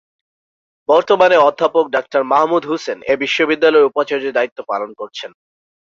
বর্তমানে অধ্যাপক ডাক্তার মাহমুদ হোসেন এ বিশ্ববিদ্যালয়ের উপাচার্যের দায়িত্ব পালন করছেন।